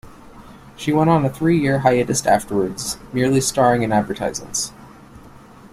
She went on a three-year hiatus afterwards, merely starring in advertisements.